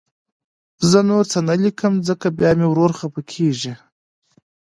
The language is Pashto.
زه نور څه نه لیکم، ځکه بیا مې ورور خفه کېږي